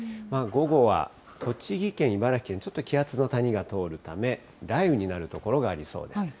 午後は栃木県、茨城県、ちょっと気圧の谷が通るため、雷雨になる所がありそうです。